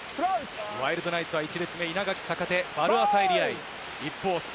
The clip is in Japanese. ワイルドナイツは１列目、稲垣、坂手、ヴァル・アサエリ愛。